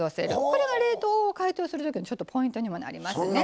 これは冷凍を解凍するときのちょっとポイントにもなりますね。